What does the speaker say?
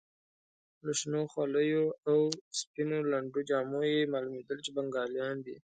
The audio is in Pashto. له شنو خولیو او سپینو لنډو جامو یې معلومېدل چې بنګالیان دي.